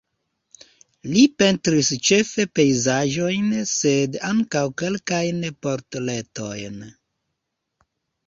Li pentris ĉefe pejzaĝojn sed ankaŭ kelkajn portretojn.